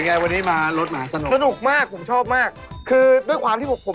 ขอบคุณผู้สนับสนุนของรถหมาสนุกด้วยนะครับ